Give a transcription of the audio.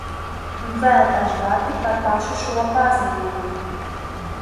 Un vēl daži vārdi par pašu šo paziņojumu.